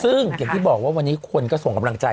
ซึ่งอย่างที่บอกว่าวันนี้คนก็ส่งกำลังใจ